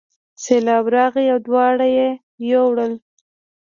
سیلاب راغی او دواړه یې یووړل.